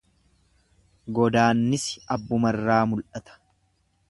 Godaannisi abbumarraa mul'ata.